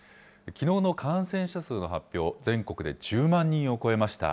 きのうの感染者数の発表、全国で１０万人を超えました。